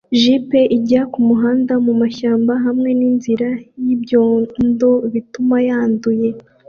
Jeep ijya kumuhanda mumashyamba hamwe n'inzira zibyondo bituma yanduye